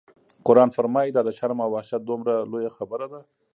قرآن فرمایي: دا د شرم او وحشت دومره لویه خبره ده.